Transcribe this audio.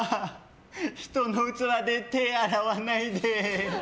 人の器で手洗わないで。